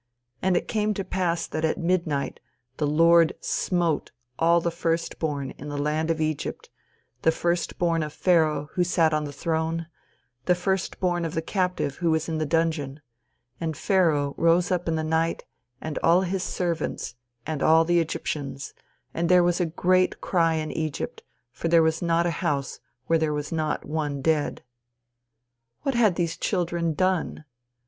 "And it came to pass that at midnight the Lord smote all the first born in the land of Egypt, the first born of Pharaoh who sat on the throne, and the first born of the captive who was in the dungeon. And Pharaoh rose up in the night, and all his servants, and all the Egyptians, and there was a great cry in Egypt, for there was not a house where there was not one dead." What had these children done?